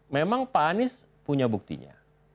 memang pak anies punya buktinya